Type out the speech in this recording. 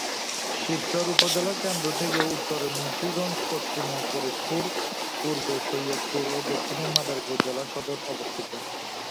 শিবচর উপজেলার কেন্দ্র থেকে উত্তরে মুন্সিগঞ্জ, পশ্চিমে ফরিদপুর, পূর্বে শরীয়তপুর ও দক্ষিণে মাদারীপুর জেলা সদর অবস্থিত।